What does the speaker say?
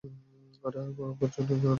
আরে করার জন্য না, বেচার জন্য।